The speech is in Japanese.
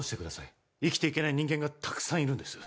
生きていけない人間がたくさんいるんです。